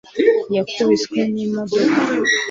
yakubiswe n'imodoka